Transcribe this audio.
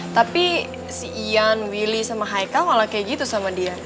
tapi si ian willy sama haikal malah kayak gitu sama dia